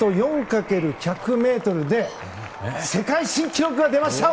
何と４×１００ｍで世界新記録が出ました！